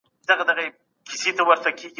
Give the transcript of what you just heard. موږ دا مهال په کتابتون کي درس لولو.